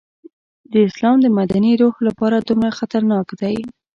د اسلام د مدني روح لپاره دومره خطرناک دی.